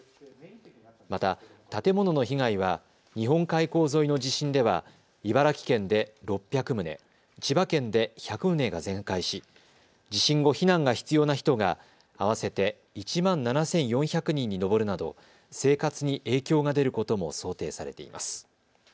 また、建物の被害は日本海溝沿いの地震では茨城県で６００棟、千葉県で１００棟が全壊し、地震後、避難が必要な人が合わせて１万７４００人に上るなど生活に影響が出ることも想定されています。